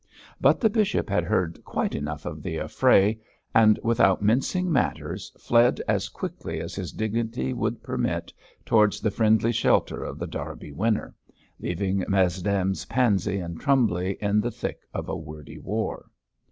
But the bishop had heard quite enough of the affray, and without mincing matters fled as quickly as his dignity would permit towards the friendly shelter of The Derby Winner, leaving Mesdames Pansey and Trumbly in the thick of a wordy war.